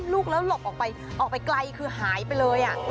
ลูกแล้วหลบออกไปไกลคือหายไปเลยอ่ะ